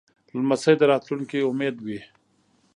لمسی د راتلونکې امید وي.